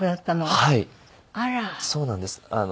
はいそうなんです。